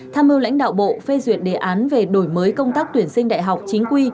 tham mưu lãnh đạo bộ phê duyệt đề án về đổi mới công tác tuyển sinh đại học chính quy